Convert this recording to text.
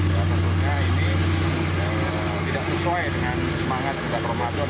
ya tentunya ini tidak sesuai dengan semangat dan promadon